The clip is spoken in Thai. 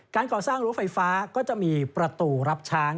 ก่อสร้างรั้วไฟฟ้าก็จะมีประตูรับช้าง